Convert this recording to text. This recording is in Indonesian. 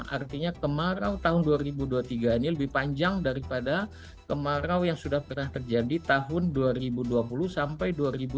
artinya kemarau tahun dua ribu dua puluh tiga ini lebih panjang daripada kemarau yang sudah pernah terjadi tahun dua ribu dua puluh sampai dua ribu dua puluh